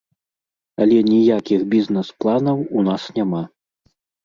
Але ніякіх бізнэс-планаў у нас няма!